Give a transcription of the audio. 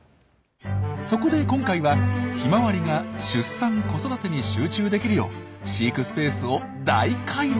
そこで今回はヒマワリが出産・子育てに集中できるよう飼育スペースを大改造。